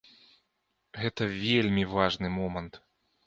Гэта вельмі важны момант.